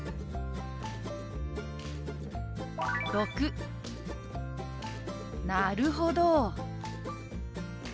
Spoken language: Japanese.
⑥「なるほど！」。